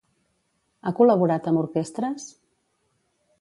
Ha col·laborat amb orquestres?